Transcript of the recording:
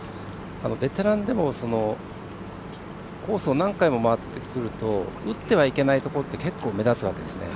ベテランでもコースを何回も回ってくると打ってはいけないところって結構、目立つわけですね。